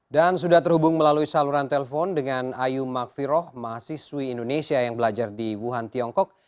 dan sudah terhubung melalui saluran telepon dengan ayu makviroh mahasiswi indonesia yang belajar di wuhan tiongkok